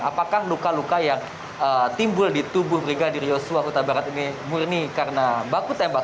apakah luka luka yang timbul di tubuh regal di riosuah kota barat ini murni karena baku tembak